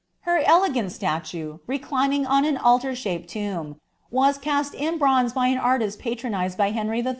Her statue, reclining on an altar shaped tomb, was cast in bronze by t patronised by Henry IH.